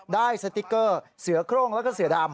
สติ๊กเกอร์เสือโครงแล้วก็เสือดำ